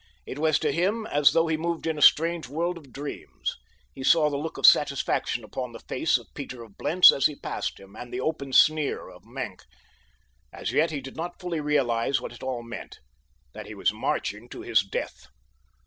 It was to him as though he moved in a strange world of dreams. He saw the look of satisfaction upon the face of Peter of Blentz as he passed him, and the open sneer of Maenck. As yet he did not fully realize what it all meant—that he was marching to his death!